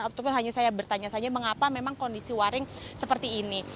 ataupun hanya saya bertanya saja mengapa memang kondisi waring seperti ini